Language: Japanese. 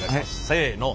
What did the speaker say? せの。